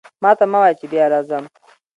ماته مه وایه چې بیا راځم.